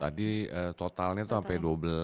tadi totalnya tuh sampai dua belas sepuluh